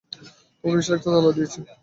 তোমরা বিশাল একটা তালা দিয়েছ।